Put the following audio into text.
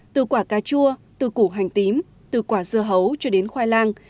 từ quả cà chua từ củ hành tím từ quả dưa hấu cho đến khoai lang